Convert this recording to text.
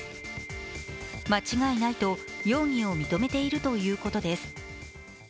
間違いないと容疑を認めているということです。